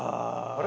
あれ？